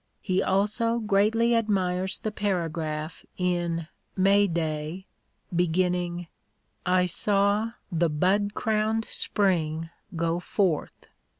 He also greatly admires the paragraph in " May Day " beginning : I saw the bud crowned Spring go forth.